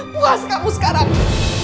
puas kamu sekarang